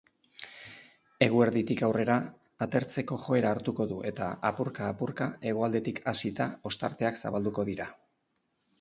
Eguerditik aurrera atertzeko joera hartuko du eta apurka-apurka hegoaldetik hasita ostarteak zabalduko dira.